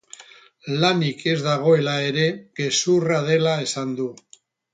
Lanik ez dagoela ere gezurra dela esan du.